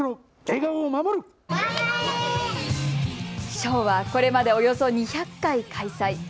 ショーはこれまでおよそ２００回開催。